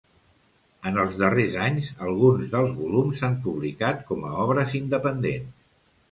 En els darrers anys alguns dels volums s'han publicat com a obres independents.